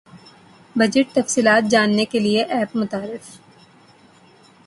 budget تفصیلات جاننے کیلئے ایپ متعارف